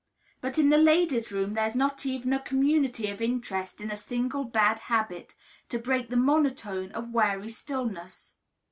But in the "Ladies' Room" there is not even a community of interest in a single bad habit, to break the monotone of weary stillness.